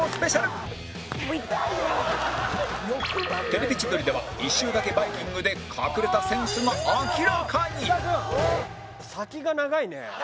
『テレビ千鳥』では一周だけバイキング！！で隠れたセンスが明らかに